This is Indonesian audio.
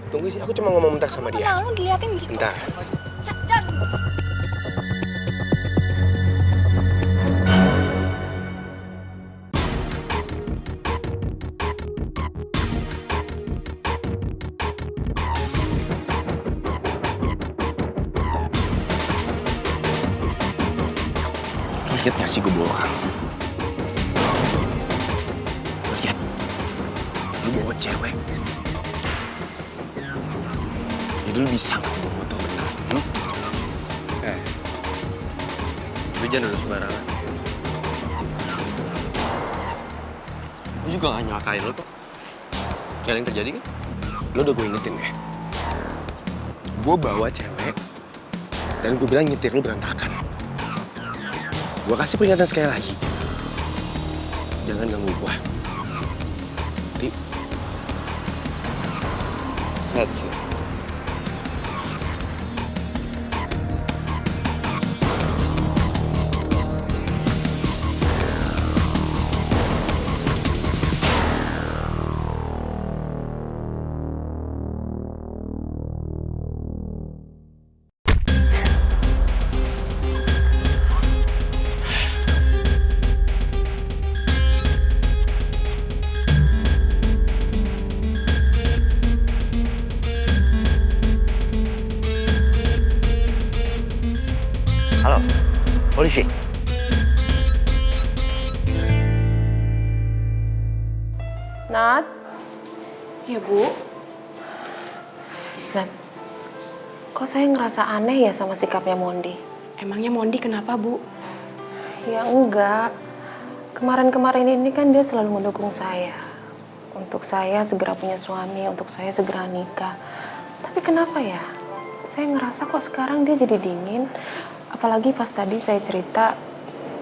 aku jalan dulu ya nanti aku telfon lagi deh